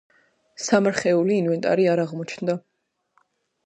სამარხეული ინვენტარი არ აღმოჩნდა.